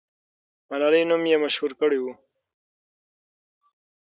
ملالۍ نوم یې مشهور کړی وو.